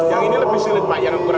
yang ini lebih silip banyak ukuran besar